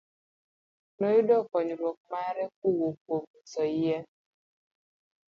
Noyudo konyruok mare kowuok kuom uso yien.